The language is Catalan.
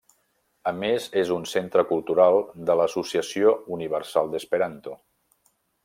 A més és un centre cultural de l'Associació Universal d'Esperanto.